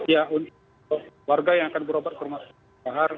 ya untuk warga yang akan berobat ke rumah sakit bahar